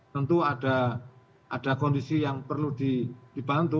tentu ada kondisi yang perlu dibantu